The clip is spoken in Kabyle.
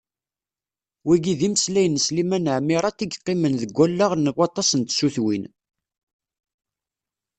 Wigi d imeslayen n Sliman Ɛmirat i yeqqimen deg wallaɣ n waṭas n tsutwin.